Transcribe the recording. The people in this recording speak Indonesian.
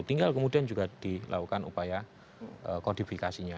tinggal kemudian juga dilakukan upaya kodifikasinya